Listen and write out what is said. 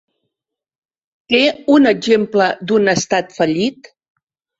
Té un exemple d'un estat fallit?